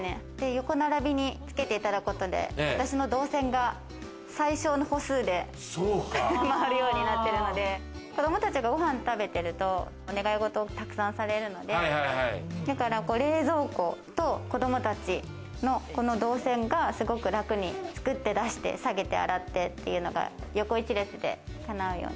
横並びにつけていただくことで、私の動線が最小の歩数で回るようになってるので子供たちがご飯食べてるとお願い事を沢山されるので、冷蔵庫と子供たちのこの動線がすごく楽に作って出して下げて洗ってというのが横１列で叶うように。